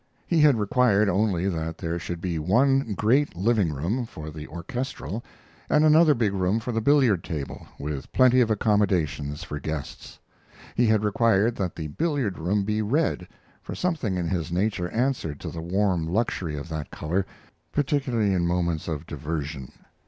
He had required only that there should be one great living room for the orchestrelle, and another big room for the billiard table, with plenty of accommodations for guests. He had required that the billiard room be red, for something in his nature answered to the warm luxury of that color, particularly in moments of diversion.